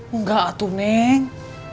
enggak atuh neng